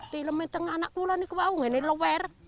tilemen tengah anak pula ini aku tahu ini lawar